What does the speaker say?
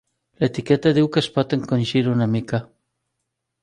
L'etiqueta diu que es pot encongir una mica.